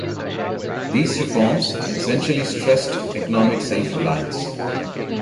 These reforms essentially stressed economic self-reliance.